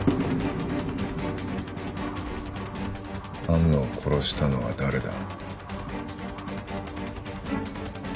安野を殺したのは誰だ？